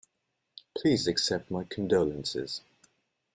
Please accept my condolences.